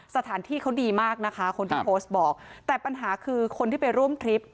สถานที่เขาดีมากนะคะคนที่โพสต์บอกแต่ปัญหาคือคนที่ไปร่วมทริป